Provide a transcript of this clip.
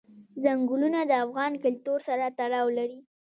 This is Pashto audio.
ځنګلونه د افغان کلتور سره تړاو لري.